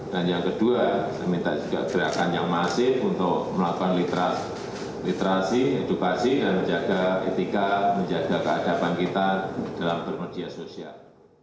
dan yang kedua saya minta juga gerakan yang masif untuk melakukan literasi edukasi dan menjaga etika menjaga kehadapan kita dalam bermedia sosial